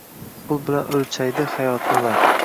Pul bilan o’lchaydi hayotni ular.